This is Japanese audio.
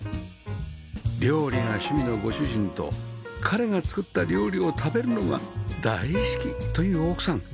料理が趣味のご主人と「彼が作った料理を食べるのが大好き」という奥さん